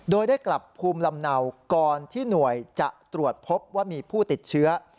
โดยได้กลับภูมิลำเนาก่อนที่หน่วยจะตรวจพบว่ามีผู้ติดเชื้อ